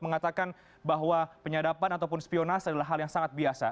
mengatakan bahwa penyadapan ataupun spionas adalah hal yang sangat biasa